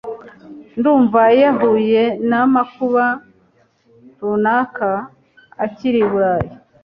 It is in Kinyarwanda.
Ndumva yahuye namakuba runaka akiri i Burayi.